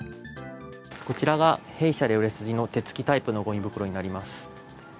こちらが弊社で売れ筋の手つきタイプのごみ袋になります。